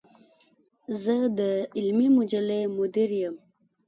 زۀ د علمي مجلې مدير يم.